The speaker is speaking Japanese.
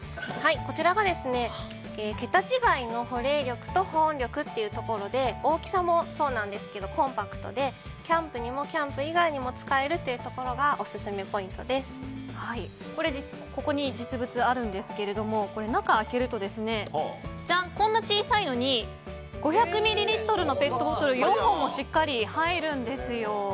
こちらが、桁違いの保冷力と保温力というところで大きさもそうなんですけどコンパクトでキャンプにも、キャンプ以外にも使えるというところがここに実物あるんですけども中を開けると、こんな小さいのに５００ミリリットルのペットボトル４本がしっかり入るんですよ。